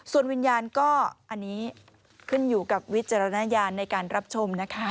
ส่วนวิญญาณก็อันนี้ขึ้นอยู่กับวิจารณญาณในการรับชมนะคะ